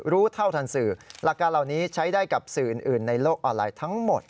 รู้เท่าทันสื่อหลักการเหล่านี้ใช้ได้กับสื่ออื่นในโลกออนไลน์ทั้งหมด